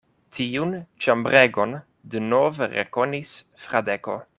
Tiun ĉambregon denove rekonis Fradeko.